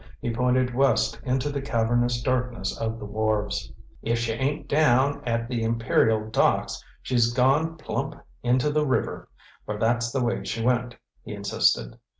He pointed west into the cavernous darkness of the wharves. "If she ain't down at the Imperial docks she's gone plump into the river, for that's the way she went," he insisted.